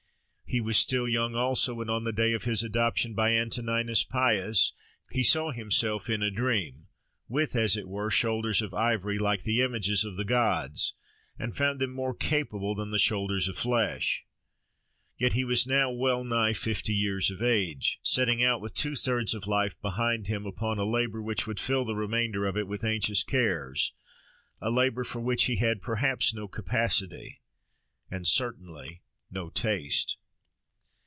He was still young, also, when on the day of his adoption by Antoninus Pius he saw himself in a dream, with as it were shoulders of ivory, like the images of the gods, and found them more capable than shoulders of flesh. Yet he was now well nigh fifty years of age, setting out with two thirds of life behind him, upon a labour which would fill the remainder of it with anxious cares—a labour for which he had perhaps no capacity, and certainly no taste.